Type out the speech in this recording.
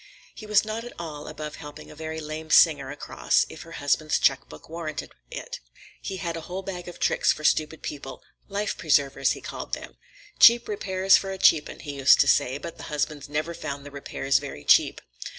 He was not at all above helping a very lame singer across, if her husband's check book warranted it. He had a whole bag of tricks for stupid people, "life preservers," he called them. "Cheap repairs for a cheap 'un," he used to say, but the husbands never found the repairs very cheap.